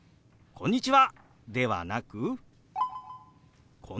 「こんにちは。